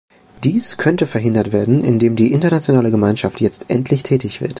Dies könnte verhindert werden, indem die internationale Gemeinschaft jetzt endlich tätig wird.